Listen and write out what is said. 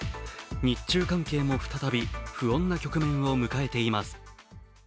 日中関係も再び不穏な局面を迎えています。